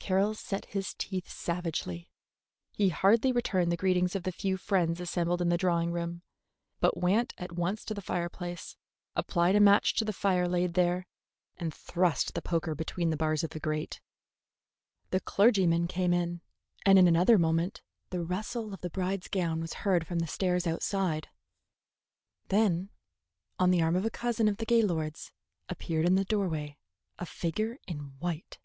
Carroll set his teeth savagely. He hardly returned the greetings of the few friends assembled in the drawing room, but went at once to the fireplace, applied a match to the fire laid there, and thrust the poker between the bars of the grate. The clergyman came in, and in another moment the rustle of the bride's gown was heard from the stairs outside. Then, on the arm of a cousin of the Gaylords, appeared in the doorway a figure in white.